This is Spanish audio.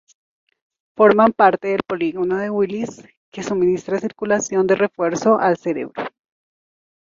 Forman parte del polígono de Willis, que suministra circulación de refuerzo al cerebro.